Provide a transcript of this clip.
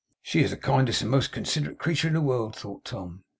'She is the kindest and most considerate creature in the world,' thought Tom.